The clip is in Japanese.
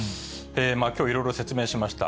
きょう、いろいろ説明しました。